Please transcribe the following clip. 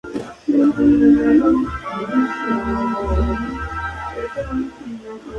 Lleva su nombre en memoria del prócer de la independencia Máximo Gómez.